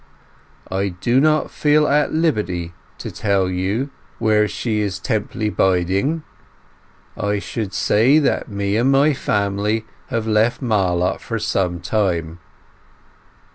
J do not feel at liberty to tell you Where she is temperly biding. J should say that me and my Family have left Marlott for some Time.